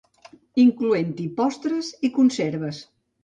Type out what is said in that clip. incloent-hi postres i conserves